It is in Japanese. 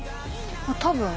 多分。